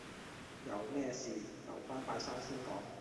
有咩事留返拜山先講